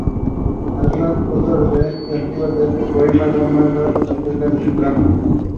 He was born in Genoa.